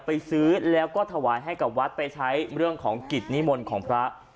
ไปซื้อแล้วก็ถวายให้กับวัดไปใช้เรื่องของกิจนิมนต์ของพระ